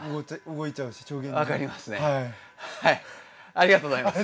ありがとうございます。